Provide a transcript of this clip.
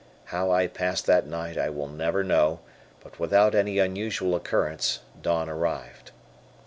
How I passed that night I will never know, but without any unusual occurrence, dawn arrived.